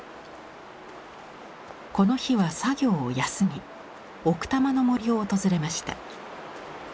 この日は作業を休み奥多摩の森を訪れました。